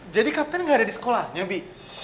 jadi kapten gak ada di sekolah ya bi